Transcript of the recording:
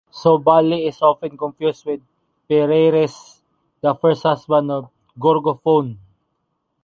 Œbale is often confused with Périérès, the first husband of Gorgophoné.